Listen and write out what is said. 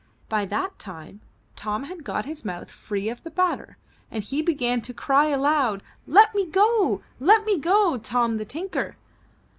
By that time, Tom had got his mouth free of the batter and he began to cry aloud: ^Tet me go! Let me go, Tom the Tinker!''